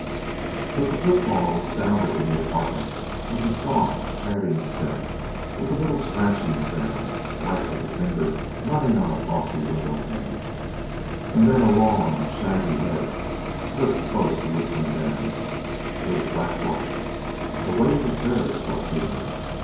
But the footfall which sounded in the apartment was a soft, padding step, with a little scratching sound, light as a finger running on a frosty window pane. And then a long, shaggy head slipped close to Whistling Dan. It was Black Bart! A wave of terror swept through her.